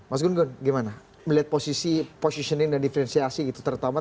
mas gun gun gimana melihat posisi positioning dan diferensiasi gitu terutama